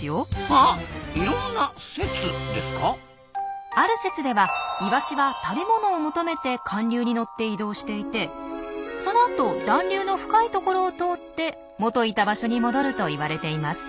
ある説ではイワシは食べものを求めて寒流に乗って移動していてそのあと暖流の深い所を通って元いた場所に戻るといわれています。